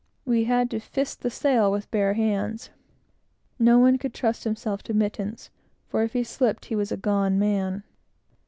We had to fist the sail with bare hands. No one could trust himself to mittens, for if he slipped, he was a gone man.